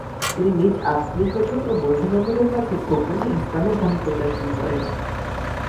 তিনি নিজ আত্মীয়-স্বজন ও বন্ধু-বান্ধবের মাঝে গোপনে ইসলামের বাণী প্রচার শুরু করেন।